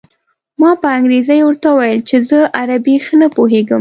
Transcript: ما په انګرېزۍ ورته وویل چې زه عربي ښه نه پوهېږم.